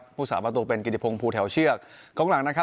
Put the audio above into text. ครับผู้สามารถตัวเป็นกิติพงภูแถวเชือกกล้องหลังนะครับ